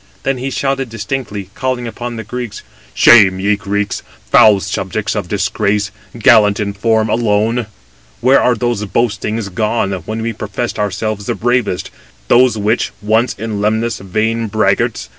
Then he shouted distinctly, calling upon the Greeks: "Shame! ye Greeks, foul subjects of disgrace! gallant in form [alone]! Where are those boastings gone, when we professed ourselves the bravest; those which, once in Lemnos, vain braggarts!